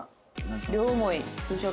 両思いツーショット。